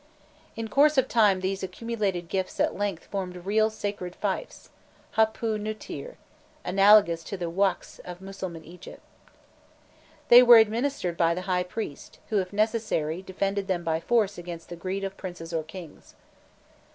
[*] In course of time these accumulated gifts at length formed real sacred fiefs hotpû nûtir analogous to the wakfs of Mussulman Egypt.[] They were administered by the high priest, who, if necessary, defended them by force against the greed of princes or kings.